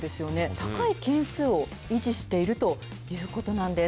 高い件数を維持しているということなんです。